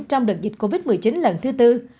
trong đợt dịch covid một mươi chín lần thứ tư